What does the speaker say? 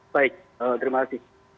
baik terima kasih